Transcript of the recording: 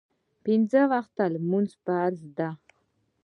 پنځه وخته لمونځ فرض ده